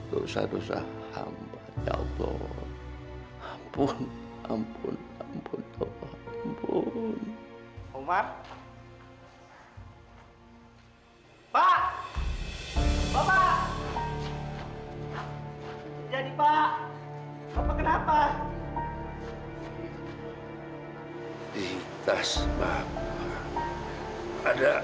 tuhan saya doakan tuhan